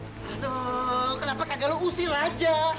aduh kenapa kagak lo usir aja